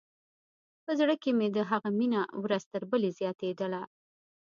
په زړه کښې مې د هغه مينه ورځ تر بلې زياتېدله.